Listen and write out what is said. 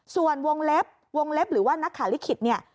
ส่วนวงเล็บวงเล็บหรือว่านักข่าวลิขิตเนี่ย